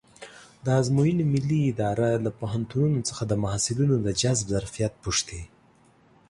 د ازموینو ملي اداره له پوهنتونونو څخه د محصلینو د جذب ظرفیت پوښتي.